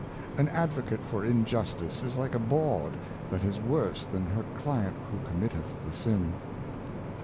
An Advocate for Injustice is like a Bawd that is worse than her Client who committeth the Sin.